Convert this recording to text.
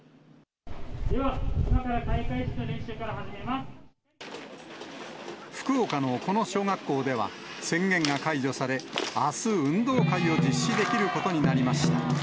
では、福岡のこの小学校では、宣言が解除され、あす、運動会を実施できることになりました。